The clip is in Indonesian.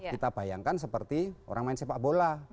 kita bayangkan seperti orang main sepak bola